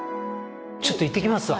ちょっと行ってきますわ。